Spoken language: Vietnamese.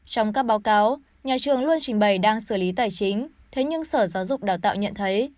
trong các báo cáo nhà trường luôn trình bày đang xử lý tài chính thế nhưng sở giáo dục đào tạo nhận thấy